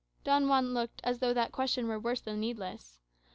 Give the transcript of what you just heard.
Don Juan looked as though that question were worse than needless.